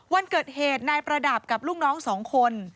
วันเกิดเหตุนายประดับกับลูกน้องสองคน